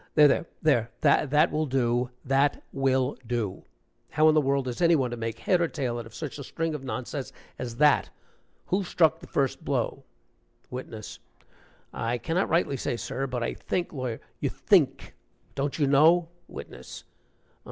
"There, there, there that will do that will do! How in the world is any one to make head or tail out of such a string of nonsense as that? Who struck the first blow?" WITNESS. "I can not rightly say, sir, but I think " LAWYER. "You think! don't you know?" WITNESS.